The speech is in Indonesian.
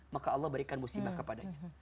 maka allah berikan musibah kepadanya